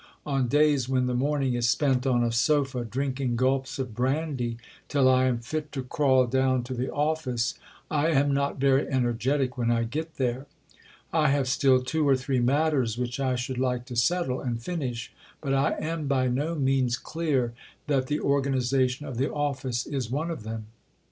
On days when the morning is spent on a sofa drinking gulps of brandy till I am fit to crawl down to the Office, I am not very energetic when I get there. I have still two or three matters which I should like to settle and finish, but I am by no means clear that the organization of the Office is one of them....